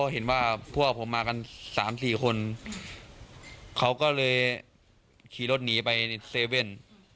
เห็นว่าพวกผมมากัน๓๔คนเขาก็เลยขี่รถหนีไปในเซเว่น